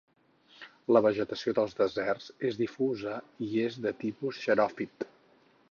La vegetació dels deserts és difusa i és de tipus xeròfit.